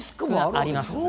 あります。